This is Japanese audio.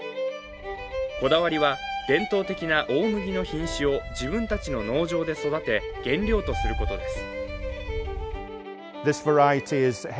こだわりは伝統的な大麦の品種を自分たちの農場で育て原料とすることです。